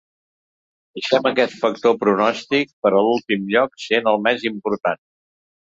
Deixem aquest factor pronòstic per a l'últim lloc sent el més important.